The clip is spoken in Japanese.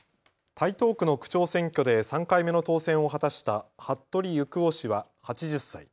台東区の区長選挙で３回目の当選を果たした服部征夫氏は８０歳。